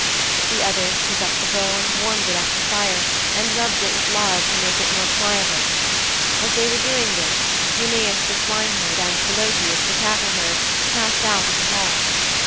The others took up the bow, and warmed it at the fire, and rubbed it with lard to make it more pliable. As they were doing this, Eumæus, the swineherd, and Philœtius, the cattleherd, passed out of the hall.